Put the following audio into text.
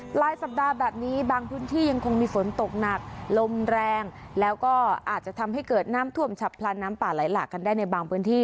ปลายสัปดาห์แบบนี้บางพื้นที่ยังคงมีฝนตกหนักลมแรงแล้วก็อาจจะทำให้เกิดน้ำท่วมฉับพลันน้ำป่าไหลหลากกันได้ในบางพื้นที่